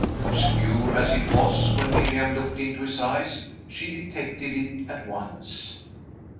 Obscure as it was, when Miriam looked into his eyes, she detected it at once.